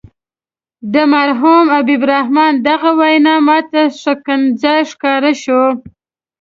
د مرحوم حبیب الرحمن دغه وینا ماته ښکنځا ښکاره شوه.